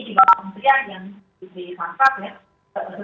juga pemerintah yang disangkap